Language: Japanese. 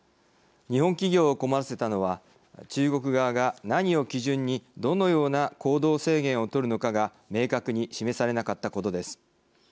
日本企業を困らせたのは中国側が何を基準にどのような行動制限を取るのかが明確に示されなかったことです。